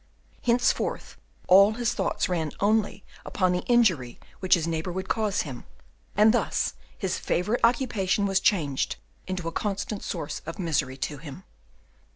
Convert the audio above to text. Henceforth all his thoughts ran only upon the injury which his neighbour would cause him, and thus his favourite occupation was changed into a constant source of misery to him.